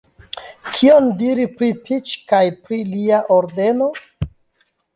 Kion diri pri Piĉ kaj pri lia Ordeno?